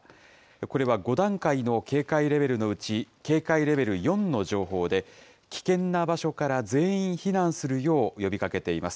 これは５段階の警戒レベルのうち、警戒レベル４の情報で、危険な場所から全員避難するよう呼びかけています。